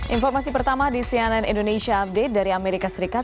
informasi pertama di cnn indonesia update dari amerika serikat